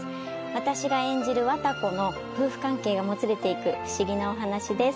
私が演じる綿子の夫婦関係がもつれていく不思議なお話です。